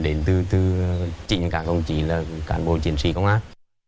đến từ chính cả công trị là cản bộ chiến sĩ công an